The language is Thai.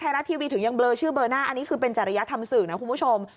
อันนี้คือเป็นจริยธรรมสื่อนะคุณผู้ชม